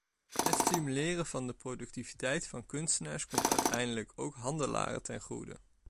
Het stimuleren van de productiviteit van kunstenaars komt uiteindelijk ook handelaren ten goede.